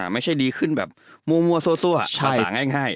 ไม่ใช่ดีขึ้นแบบมั่วซั่วหาง่าย